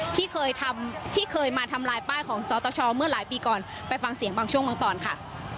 ที่เคยทำที่เคยมาทำลายป้ายของสตชเมื่อหลายปีก่อนไปฟังเสียงบางช่วงบางตอนค่ะ